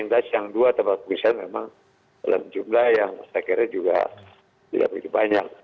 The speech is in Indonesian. dan yang kedua tempat pengungsian memang dalam jumlah yang saya kira juga tidak begitu banyak